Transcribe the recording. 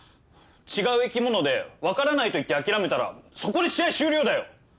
違う生き物で分からないと言って諦めたらそこで試合終了だよ。